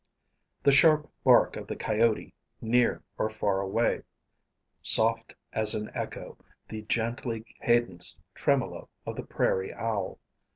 ... The sharp bark of the coyote, near or far away; soft as an echo, the gently cadenced tremolo of the prairie owl.